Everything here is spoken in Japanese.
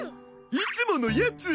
いつものやつ！